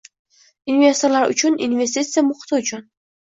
Investorlar uchun, investitsiya muhiti uchun